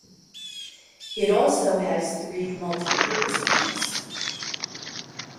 It also has three multipurpose rooms.